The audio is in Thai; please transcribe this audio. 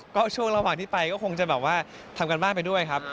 ก็ช่วงระหว่างที่ไปก็คงจะแบบว่าทำการบ้านไปด้วยครับ